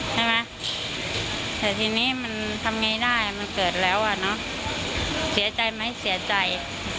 ใช่ไหมแต่ทีนี้มันทำไงได้มันเกิดแล้วอ่ะเนอะเสียใจไหมเสียใจ